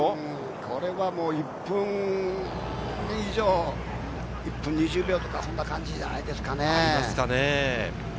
これは１分以上、１分２０秒とか、そんな感じじゃないですかね。